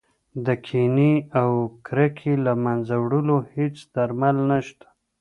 د کینې او کرکې له منځه وړلو هېڅ درمل نه شته.